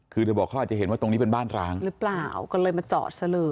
คือเธอบอกเขาอาจจะเห็นว่าตรงนี้เป็นบ้านร้างหรือเปล่าก็เลยมาจอดซะเลย